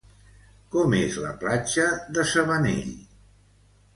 Com és la platja de S'Abanell?